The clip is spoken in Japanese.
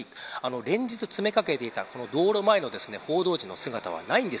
連日、詰めかけていた道路前の報道陣の姿はないんです。